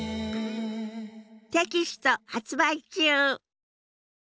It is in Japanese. テキスト発売中。